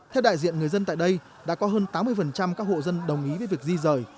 theo đại diện người dân tại đây đã có hơn tám mươi các hộ dân đồng ý với việc di rời